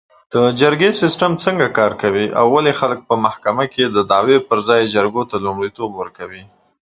د جرګه سیستم څنکه کار کوي او ولې خلک په محکمه کې د دعوې د حل کولو لپاره جرګې ته لومړیتوب ورکوي